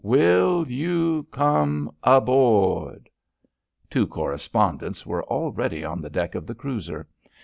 Will you come aboard?" Two correspondents were already on the deck of the cruiser.